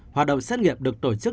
họa động xét nghiệm được tổ chức